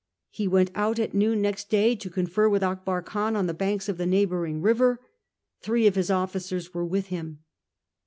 He went out at noon next day to confer with Akbar Khan on the banks of the neighbouring river. Three of his officers were with him.